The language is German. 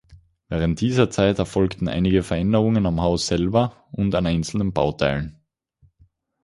Während dieser Zeit erfolgten einige Veränderungen am Haus selber und an einzelnen Bauteilen.